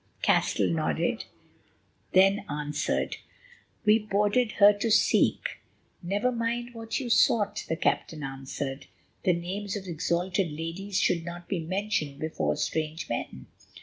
Castell nodded, then answered: "We boarded her to seek——" "Never mind what you sought," the captain answered; "the names of exalted ladies should not be mentioned before strange men.